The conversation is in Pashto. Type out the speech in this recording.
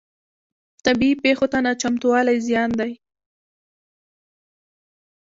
طبیعي پیښو ته نه چمتووالی زیان دی.